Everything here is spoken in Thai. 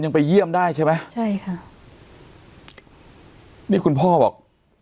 ไปเยี่ยมได้ใช่ไหมใช่ค่ะนี่คุณพ่อบอก